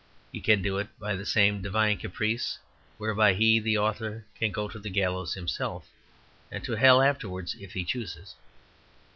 He can do it by the same divine caprice whereby he, the author, can go to the gallows himself, and to hell afterwards if he chooses.